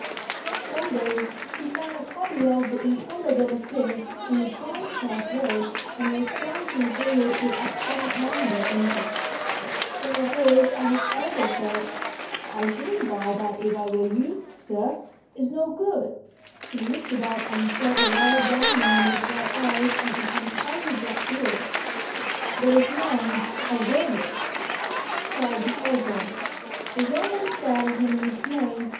One day he found a copy of " The Impro bable Marquis " in the Charing Cross Road, and was glancing through it with absent minded interest, when a voice at his elbow said, " I shouldn't buy that if I were you, sir. It's no good !" He looked up and saw a wild young man, with bright eyes and an untidy black beard. " But it's mine ; I wrote it," cried the author. The young THE STORY OF A BOOK 143 man stared at him in dismay.